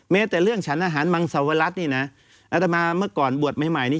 แม้แต่เรื่องชันอาหารมังสวรรลัษอัตมาเมื่อก่อนบัวดใหม่นี้